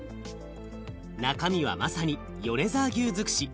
中身はまさに米沢牛尽くし。